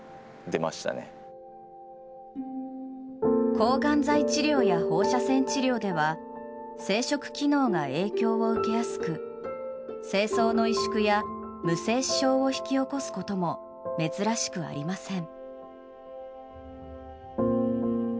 抗がん剤治療や放射線治療では生殖機能が影響を受けやすく精巣の萎縮や無精子症を引き起こすことも珍しくありません。